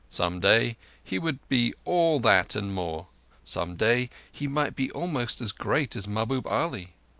Some day he would be all that and more. Some day he might be almost as great as Mahbub Ali!